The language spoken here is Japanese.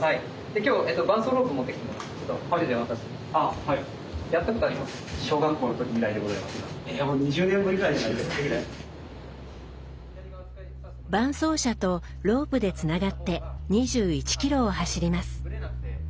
今日伴走者とロープでつながって２１ｋｍを走ります。